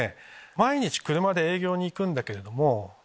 「毎日車で営業に行くんだけれども」。